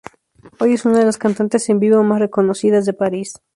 Hoy es una de las cantantes en vivo más reconocidas de París.